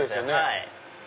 はい。